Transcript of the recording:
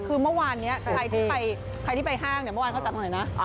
คือเมื่อวานนี้ใครที่ไปห้างเดี๋ยวเมื่อวานเขาจัดหน่อยนะ